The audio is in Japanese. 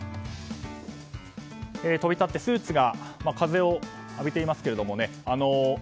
飛び立ってスーツが風を浴びていますけれどもね。